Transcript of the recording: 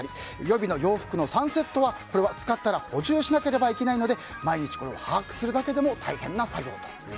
予備の洋服の３セットは使ったら補充しなければいけないので毎日これを把握するだけでも大変な作業と。